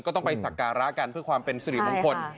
ก็ต้องไปสักการะกันเพื่อความเป็นสิริมงคล